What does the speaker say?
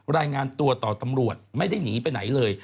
รายงานตัวต่อตำรวจไม่ได้หนีไปไหนเลย